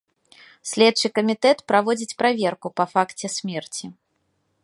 Следчы камітэт праводзіць праверку па факце смерці.